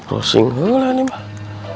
rosi ngulah nih bang